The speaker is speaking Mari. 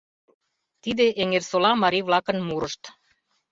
Тиде Эҥерсола марий-влакын мурышт.